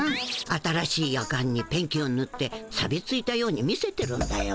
新しいヤカンにペンキをぬってさびついたように見せてるんだよ。